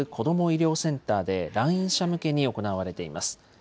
医療センターで来院者向けに行われています。